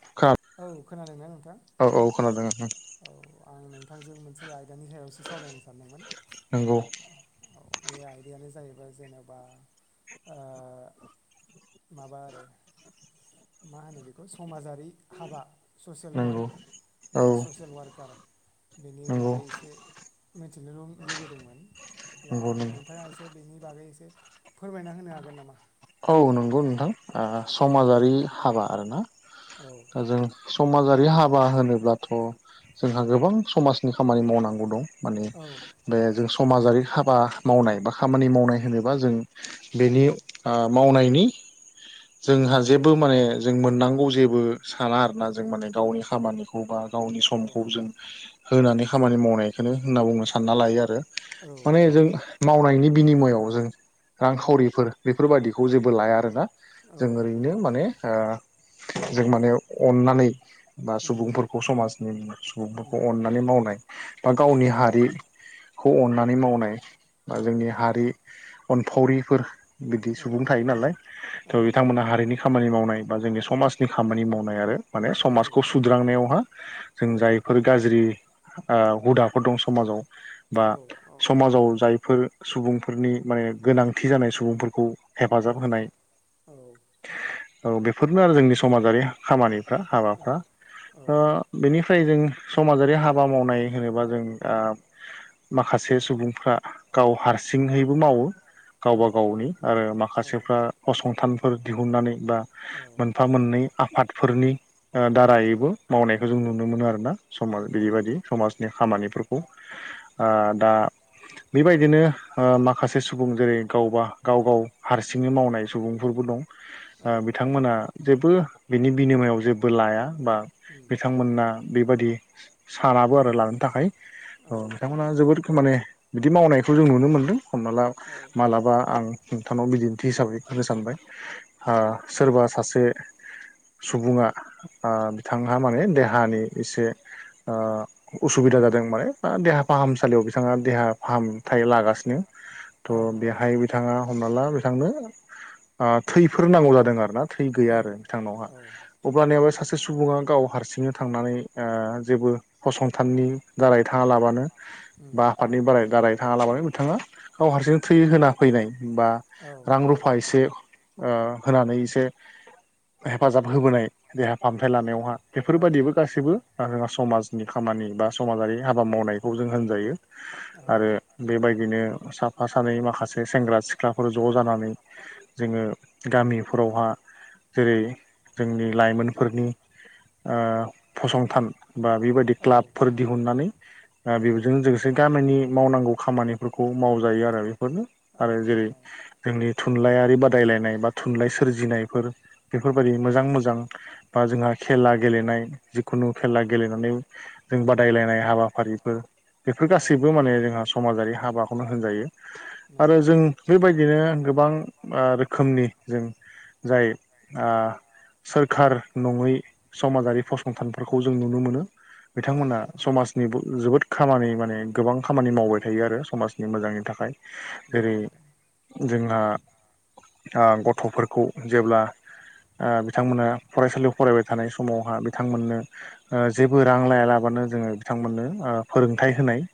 [unintelligible] औ खोनादोंना नोंथां? औ खोनादों औ आं नोंथांजों मोनसे आयदानि सायावसो सावरायनो सानदोंमोन। नोंगौ। औ बे आयदायानो जाहैबाय जेनेबा ओ माबा आरो मा होनो बेखौ समाजारि। हाबा ससियेल नंगौ वार्क औ बा ससियेल वार्कार। बेनि नंगौ बागै एसे मिथिनो लु लुबैदोंमोन अब्ला नंगौ नंगौ नोंथाङा एसे बेनि बागै एसे फोरमायना होनो हागोन नामा? औ नंगौ नोंथां ओ समाजारि हाबा आरो ना। औ। जों समाजारि हाबा होनोब्लाथ' जोंहा गोबां समाजनि खामानि मावनांगौ दं। माने औ बे जों समाजारि हाबा मावनाय बा खामानि मावनाय होनोबा जों बेनि ओ मावनायनि औ जोंहा जेबो माने जों मोननांगौ जेबो साना आरोना उम जों माने औ गावनि खामानिखौ बा गावनि औ समखौ जों होनानै खामानि मावनायखौनो होनना बुंनो सानना लायो आरो। औ माने जों मावनायनि बिनिमआव जों रांखावरिफोर बेफोरबायदिखौ जेबो लाया आरोना औ जों औ ओरैनो माने ओ जों माने अन्नानै बा उम सुबुंफोरखौ समाजनि [unintelligible] उम अननानै मावनाय बा गावनि औ हारिखौ अन्नानै मावनाय बा जोंनि हारि अनफावरिफोर बिदि सुबुं थायो नालाय। थ' बिथांमोना हारिनि खामानि मावनाय बा जोंनि समाजनि खामानि मावनाय आरो माने समाजखौ सुद्रांनायावहा जों जायफोर गाज्रि आ हुदाफोर दं समाजाव बा समाजाव जायफोर सुबुंफोरनि माने गोनांथि जानाय सुबुंफोर खौ हेफाजाब होनाय। औ। औ बेफोरनो आरो जोंनि समाजारि खामानिफ्रा हाबाफ्रा। बेनिफ्राय जों समाजारि हाबा मावनाय होनोबा जों आ माखासे सुबुंफ्रा गाव हारसिङैबो मावो गावबा गावनि आरो माखासेफ्रा फसंथानफोर दिहुननानै बा मोनफा मोननै आफादफोरनि दारायैबो मावनायखौ जों नुनो मोनो आरोना समाज बिदिबायायदि समाजनि खामानिफोरखौ। दा बेबायदिनो माखासे सुबुं जेरै गावबा गाव गाव हारसिङै मावनाय सुबुंफोरबो दं। ओ बिथांमोना जेबो बिनि बिनिमायाव जेबो लाया बा बिथांमोना बेबादि सानाबो आरो लानो थाखाय। औ बिथांमोना जोबोद माने बिदि मावनायखौ जों नुनो मोनदों हमना ला मालाबा आं। नोंथांनाव बिदिन्थि हिसाबै होनो सानबाय आ सोरबा सासे सुबुङा आ बिथांहा माने देहानि एसे उसुबिदा जादों माने बा देहा फाहामसालियाव बिथाङा देहा फाहामथाय लागासिनो। थ' बेहाय बिथाङा हमना ला बिथांनो थैफोर नांगौ जादों आरो ना थै गैया आरो बिथांनावहा। औ अब्लानियाबो सासे सुबुङा गाव हारसिंनो थांनानै ओ जेबो फसंथाननि [unintelligible] थाङालाबानो उम बा आफादनि औ औ बाराय दाराय थाङालाबानो बिथाङा गाव हारसिं थै होना फैनाय। बा रां रुफा इसे ओ होनानै इसे हेफाजाब होबोनाय। देहा फाहामथाय लानायावहा बेफोरबायदिबो गासैबो [unintelligible] समाजनि खामानि बा समाजारि हाबा मावनाय। खौ जों होनजायो औ आरो बेबायदिनो साफा सानै माखासे सेंग्रा सि थ्राफोर ज' जानानै जोङो गामिफोरावहा जेरै जोंनि लाइमोनफोरनि ओ फसंथान बा बेबायदि औ क्लाबफोर औ दिहुननानै [unintelligible] नंगौ गामिनि मावनांगौ खामानिफोरखौ मावजायो आरो बेफोरनो आरो जेरै औ औ जोंनि थुनलाइारि बादायलायनाय बा थुनलाइ सोरजिनायफोर औ बेफोरबायदि नंगौ औ मोजां नंगौ मोजां नोंथां बा जोंहा खेला गेलेनाय जिखुनु खेला गेलेनानै जों बादायलायनाय हाबाफारिफोर बेफोर गासैबो माने जोंहा समाजारि हाबाखौनो होनजायो। [inaudible] बो जों बेबायदिनो गोबां ओ रोखोमनि जों जाय आ सोरखार नङै समाजारि फसंथानफोरखौ जों नुनो मोनो। बिथांमोना समाजनिबो जोबोद खामानि माने गोबां खामानि मावबाय थायो आरो समाजनि मोजांनि थाखाय। नोंगौ जेरै नोंथां। जोंहा आ गथ'फोरखौ जेब्ला आ बिथांमोना फरायसालियाव फरायबाय थानाय समावहा बिथांमोननो ओ जेबो रां लायालाबानो जोङो बिथांमोननो ओ फोरोंथाइ होनाय।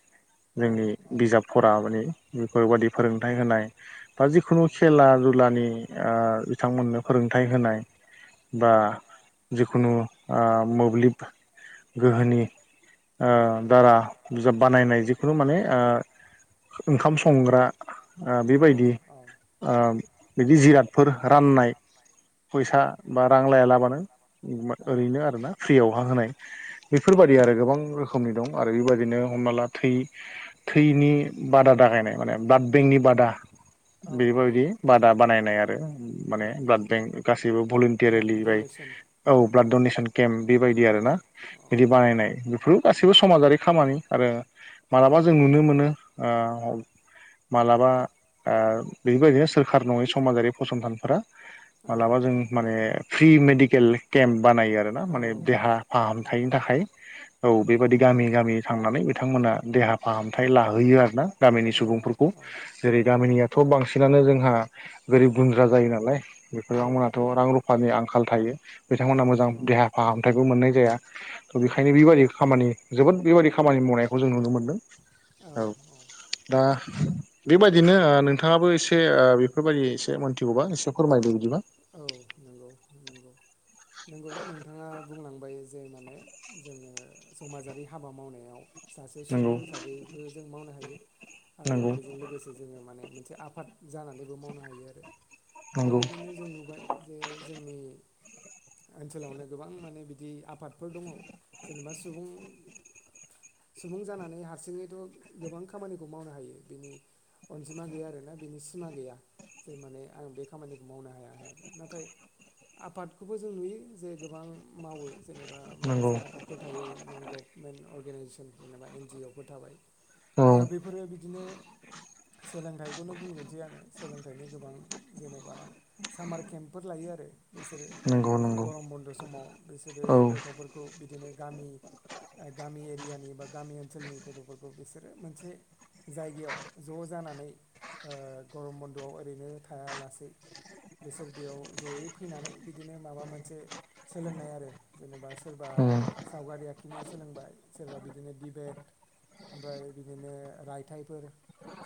औ जोंनि औ बिजाबफोरा मानि बेफोरबादि फोरोंथाइ होनाय। बा जिखुनु खेला दुलानि ओ बिथांमोननो फोरोंथाइ होनाय। बा जिखुनु ओ मोब्लिब गोहोनि औ ओ दारा बिजाब बानायनाय जिखुनु माने ओ ओंखाम संग्रा ओ औ बेबायदि औ ओ बिदि जिरादफोर राननाय फैसा बा रां लायालाबानो ओरैनो आरोना फ्रियावहा होनाय बेफोरबायदि आरो गोबां रोखोमनि दं आरो बेबायदिनो हमना ला थै थैनि बादा दागायनाय माने ब्लाड बेंकनि बादा औ बेबायदि बादा बानायनाय आरो औ माने ब्लाद बेंक गासैबो ब्लाड भलन्टियारिलि बाय डनेसन औ ब्लाड डनेसन केम्प बेबायदि औ आरो ना औ बिदि बानायनाय बेफोरबो गासैबो समाजारि खामानि आरो मालाबा जों औ नुनो मोनो ओ माब्लाबा ओ बेबायदिनो सोरखार नङै समाजारि फसंथानफोरा मालाबा जों औ माने फ्रि मेडिकेल केम्प बानायो आरो ना माने औ औ देहा फाहामथायनि नंगौ थाखाय औ नंगौ बेबायदि गामि गामि थांनानै बिथांमोना देहा फाहामथाय लाहोयो आरो ना गामिनि औ सुबुंफोरखौ औ। जेरै गामिनियाथ' बांसिनानो जोंहा गोरिब गुन्द्रा जायो नालाय [unintelligible] मोनहाथ' रां रुफानि आंखाल थायो। बिथांमोना मोजां देहा फाहामथायबो मोननाय जाया। थ' बेखायनो बेबायदि खामानि जोबोद बेबायदि खामानि मावनायखौ जों नुनो मोनदों। औ दा बिदिनो ओ नोंथाङाबो एसे ओ बेफोरबायदि एसे मोनथिगौ बा एसे फोरमायदो बिदिबा औ नंगौ नंगौ। नोंगौ नोंथाङा दा बुंलांबाय जे माने जोंङो समाजारि हाबा मावनायाव सासे सुबुं नंगौ हिसाबैबो जों मावनो हायो आरो नंगौ बेजों लोगोसे जोंङो माने मोनसे आ फाद जानानैबो मावनो हायो आरो दा नंगौ बिदिनो जों नुबाय जे जोंनि ओनसोलावनो गोबां माने बिदि आफादफोर दङ जेनेबा सुबुं सुबुं जानानै हारसिङैथ' गोबां खामानिखौ मावनो हायो बिनि अनजिमा गैया आरोना बिनि सिमा गैया। जे माने आं बे खामानिखौ मावनो हाया होननानै नाथाय आफादखौबो जों नुयो जे गोबां मावो जेनेबा नंगौ माखासे आफाद फोर थायो नन गभारनमेन्ट अर्गेनाइजेसन जेनेबा एनडि अ फोर थाबाय। औ दा बेफोरो बिदिनो सोलोंथाइखौनो बुंग्रोनोसै आंङो सोलोंथाइनि गोबां जेनेबा सामार केम्पफोर लायो आरो बिसोरो नंगौ नंगौ गरम बन्द' समाव बिसोरो औ गथ'फोर खौ बिदिनो गामि गामि एरियानि बा गामि ओनसोलनि गथ'फोरखौ बिसोरो मोनसे जायगायाव ज' जानानै गरम ओ बन्द'आव ओरैनो थायालासेै बिसोर बेयाव जयै फैनानै बिदिनो माबा मोनसे सोलोंनाय आरो जेनेबा सोरबा सावगारि आखिनो सोलोंबाय सोरबा बिदिनो दिबेट ओमफ्राय बिदिनो रायथाइफोर।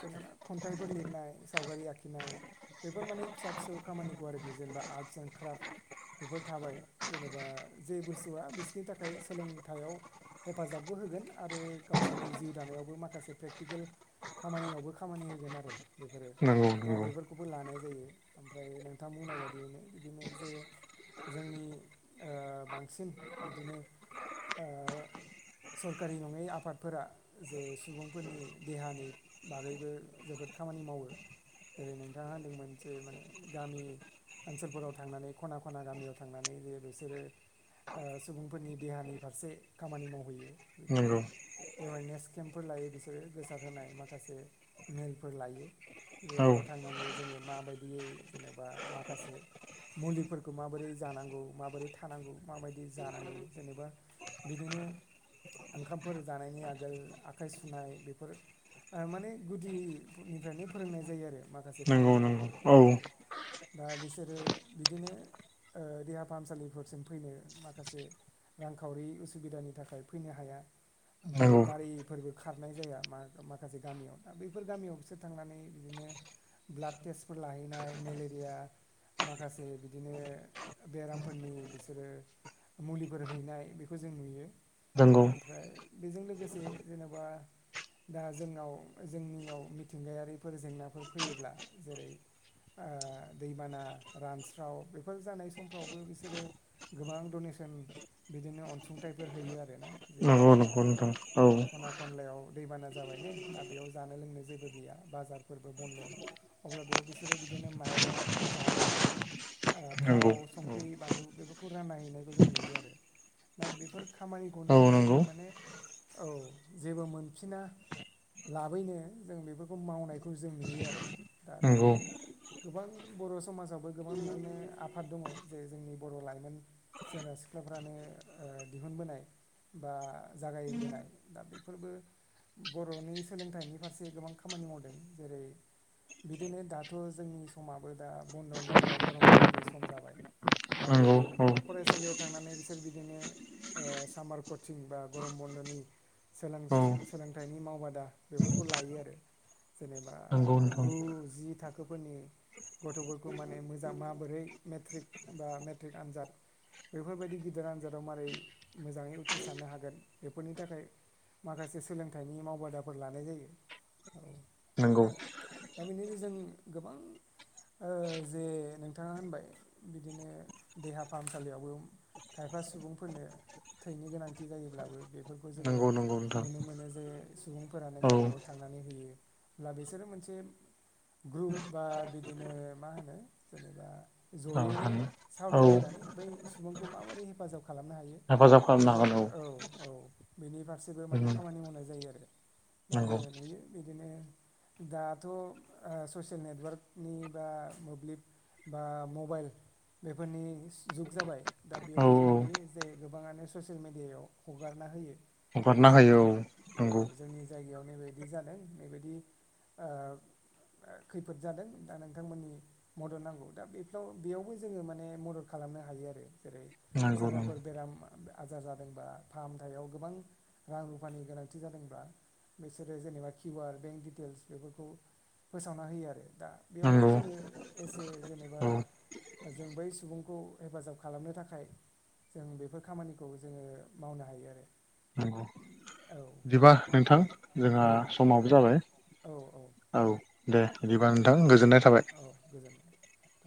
जेनेबा खन्थाइफोर लिरनाय सावगारि आखिनाय। बेफोर माने फिसा फिसौ खामानिखौ आरोखि जेनेबा आर्टस एन्ड क्राफ्ट बेफोर थाबाय। जेनेबा जे बुस्थुआ बिसोरनि थाखाय सोलोंथायाव हेफाजाबबो होगोन आरो गावसोरनि जिउ दानायावबो माखासे प्रेक्टिकेल खामानियावबो खामानि होगोन आरो बेफोरो नंगौ दा नंगौ बेफोर खौबो लानाय जायो ओमफ्राय नोंथाङा बुंनाय बायदियैनो बिदिनो जे जोंनि ओ बांसिन बिदिनो ओ सरखारि नङै आफादफोरा जे सुबुंफोरनि देहानि बागैबो जोबोद खामानि मावो जेरै नोंथाङा होनदोंमोन जे माने गामि ओनसोलफोराव थांनानै खना खना गामियाव थांनानै जेरै बिसोरो ओ सुबुंफोरनि देहानि फारसे खामानि मावहैयो बिदिनो नंगौ एवेरनेस केम्पफोर लायो बिसोरो गोसार होनाय माखासे मेलफोर लायो। जे औ बेयाव थांनानै जोंङो माबायदियै जेनेबा माखासे मुलिफोरखौ माबोरै जानांगौ माबोरै थानांगौ माबायदि जानांगौ जेनेबा बिदिनो ओंखामफोर जानायनि आगोल आखाइ सुनाय बेफोर माने गुदिनिफ्रायनो फोरोंनाय जायो आरो माखासे नंगौ नंगौ खामानिफोरखौ औ। दा बिसोरो बिदिनो ओ देहा फाहामसालि फोरसिम फैनो माखासे रांखावरि उसुबिदानि थाखाय फैनो हाया। ओमफ्राय नंगौ गारिफोरबो खारनाय जाया मा माखासे गामियाव दा बैफोर गामियाव बिसोर थांनानै बिदिनो ब्लाड टेस्टफोर लाहैनाय मेलेरिया माखासे बिदिनो बेरामफोरनि बिसोरो मुलिफोर हैनाय बेखौ जों नुयो नंगौ ओमफ्राय बेजों लोगोसे जेन'बा दा जोंनाव जोंनियाव मिथिंगायारिफोर जेंनाफोर फोयोब्ला जेरै ओ दैबाना रानस्राव बेफोर जानाय समफ्रावबो बिसोरो गोबां डनेसन बिदिनो अनसुंथाइफोर होयो आरोना जे नंगौ माने नंगौ नोंथां औ खना खनलायाव दैबाना जाबायनो दा बेयाव जानो लोंनो जेबो गैया बाजारफोरबो बन्द' अब्ला बेयाव बिसोरो बिदिनो माइरं जाग्रा ओ नंगौ थाव, संख्रि, बानलु बेफोरखौ रानना हैनायखौ जों नुयो आरो। दा बेफोर औ खामानिखौनो नंगौ जोङो माने औ जेबो मोनफिना लाबोयनो जों बेफोरखौ मावनायखौ जों नुयो आरो दा नंगौ बिदिनो गोबां बर' समाजावबो गोबां बिदिनो आफाद दङ जे जोंनि बर' लाइमोन सेंग्रा सिख्लाफोरानो ओ दिहुनबोनाय बा जागायबोनाय दा बेफोरबो बर'नि सोलोंथाइनि फारसे गोबां खामानि मावदों जेरै बिदिनो दाथ' जोंनि समाबो दा बन्द'नि बा गरम बन्द'नि सम जाबाय दा नंगौ बेयावबो फरायसालियाव थांनानै बिसोर बिदिनो ओ सामार कचिं बा गरम बन्द'नि औ सोलों-सोलोंथाइनि मावबादा बेफोरखौ लायो आरो। जेनेबा नंगौ नोंथां गु जि थाखोफोरनि गथ'फोरखौ माने मोजां माबोरै मेट्रिक बा मेट्रिक आनजाद बेफोरबायदि गिदिर आनजादाव मारै मोजाङै उथ्रिसारनो हागोन बेफोरनि थाखाय माखासे सोलोंथाइनि मावबादाफोर लानाय जायो औ। नंगौ दा बेनिनो जोंनि गोबां ओ जे नोंथाङा होनबाय बिदिनो देहा फाहामसालियावबो खायफा सुबुंफोरनो थैनि गोनांथि जायोब्लाबो बेफोरखौ जोङो नंगौ नंगौ नोंथां नुनो मोनो जे सुबुंफोरानो औ गावबाागाव थांनानै होयो अब्ला बिसोरो मोनसे ग्रुप बा बिदिनो मा होनो जेनेबा औ जयैनो हानो औ सावरायलायनानै बै सुबुंखौ माबोरै हेफाजाब खालामनो हायो हेफाजाब बेनो खालामनो औ औ। बेनि फारसेबो माने हागोन औ खामानि मावनाय जायो आरो। दा नंगौ जोङो नुयो बिदिनो दाथ' ओ ससियेल नेटवार्कनि बा मोब्लिब बा मबाइल बेफोरनि जुग जाबाय दा औ बेयावबो जों नुयो जे गोबाङानो ससियेल मेडियायाव हगारना होयो। हगारना होयो जोंनि औ औ नंगौ जोंनि जायगायाव नैबायदि जादों नैबायदि ओ खैफोद जादों दा नोंथांमोननि मदद नांगौ दा बेफ्राव बेयावबो जोङो माने मदद खालामनो हायो आरो जेरै नंगौ नंगौ सोरबाफोर बेराम आजार जादोंबा फाहामथायाव गोबां रां रुफानि गोनांथि जादोंब्ला बिसोरो जेनेबा किउआर बेंक डिटेल्स बेफोरखौ फोसावना होयो आरो दा बेयावबो नंगौ जोङो एसे जेनेबा औ जों बै सुबुंखौ हेफाजाब खालामनो थाखाय जों बेफोर खामानिखौ जोङो मावनो हायो आरो। नंगौ बिदिबा नोंथां जोंहा औ समाबो जाबाय। औ औ दे औ बिदिबा नोंथां दे होमबा गोजोननाय थाबाय। औ गोजोनबाय